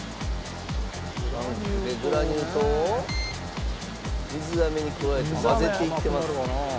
グラニュー糖を水飴に加えて混ぜていってます。